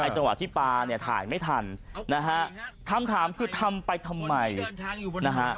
ไอ้เจาะที่ป่าเนี้ยถ่ายไม่ทันนะฮะถามถามคือทำไปทำใหม่นะฮะ